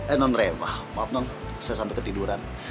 eh nonrema maaf non saya sampai ketiduran